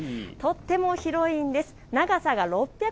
とっても広いんです。